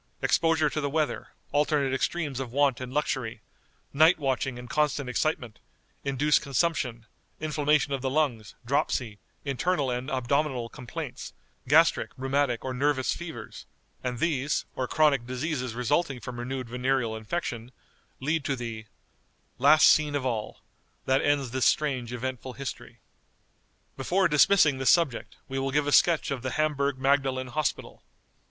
Exposure to the weather, alternate extremes of want and luxury, night watching and constant excitement, induce consumption, inflammation of the lungs, dropsy, internal and abdominal complaints; gastric, rheumatic, or nervous fevers; and these, or chronic diseases resulting from renewed venereal infection, lead to the "Last scene of all, That ends this strange, eventful history." Before dismissing this subject, we will give a sketch of the HAMBURG MAGDALEN HOSPITAL.